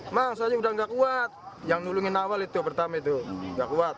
emang saya udah gak kuat yang nulungin awal itu pertama itu nggak kuat